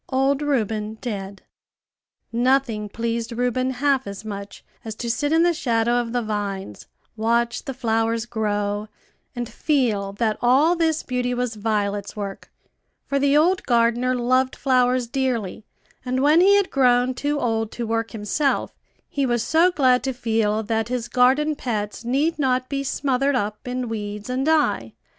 OLD REUBEN DEAD. Nothing pleased Reuben half as much as to sit in the shadow of the vines, watch the flowers grow, and feel that all this beauty was Violet's work; for the old gardener loved flowers dearly; and when he had grown too old to work himself, he was so glad to feel that his garden pets need not be smothered up in weeds, and die.